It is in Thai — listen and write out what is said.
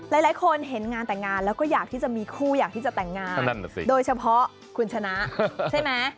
หลายคนเห็นงานแต่งงานแล้วก็อยากที่จะมีคู่อยากที่จะแต่งงานโดยเฉพาะคุณชนะใช่ไหม